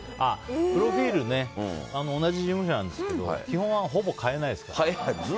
プロフィールね同じ事務所なんですけど基本はほぼ変えないですからね。